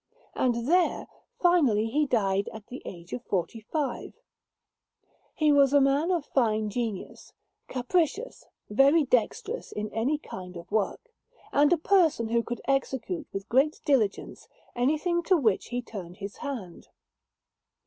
And there, finally, he died at the age of forty five. He was a man of fine genius, capricious, very dexterous in any kind of work, and a person who could execute with great diligence anything to which he turned his hand.